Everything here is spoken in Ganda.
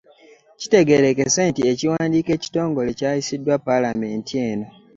Kitegeerekese nti ekiwandiiko ekitongole kyayisiddwa palamenti eno